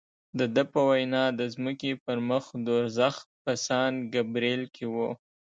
د ده په وینا د ځمکې پر مخ دوزخ په سان ګبرېل کې و.